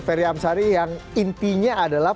ferry amsari yang intinya adalah